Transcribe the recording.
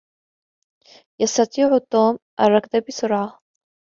يستطيع توم الركض بسرعة.